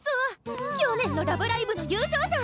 去年の「ラブライブ！」の優勝者！